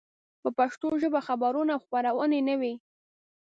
په پښتو ژبه خبرونه او خپرونې نه وې.